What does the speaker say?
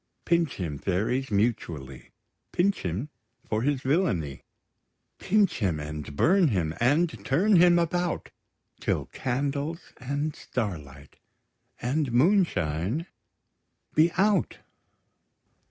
Pinch him, fairies, mutually, Pinch him for his villainy; Pinch him, and burn him, and turn him about, Till candles, and starlight, and moonshine be out!